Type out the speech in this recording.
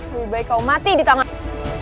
lebih baik kau mati di tanganmu